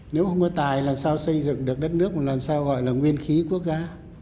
nếu không có tài làm sao xây dựng được đất nước làm sao gọi là nguyên khí quốc gia